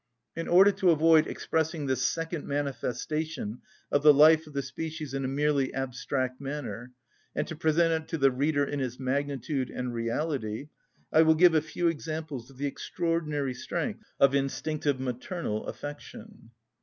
In order to avoid expressing this second manifestation of the life of the species in a merely abstract manner, and to present it to the reader in its magnitude and reality, I will give a few examples of the extraordinary strength of instinctive maternal affection.